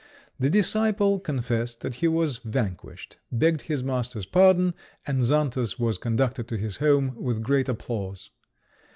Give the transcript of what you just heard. The disciple confessed that he was vanquished, begged his master's pardon, and Xantus was conducted to his home with great applause.